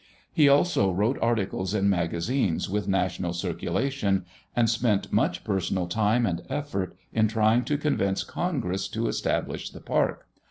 He also wrote articles in magazines with national circulation, and spent much personal time and effort in trying to convince Congress to establish the park.